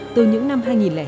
từ những năm hai nghìn hai